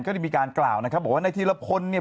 ได้มีการกล่าวนะครับบอกว่าในธีรพลเนี่ย